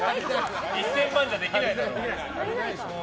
１０００万円じゃできねえだろ。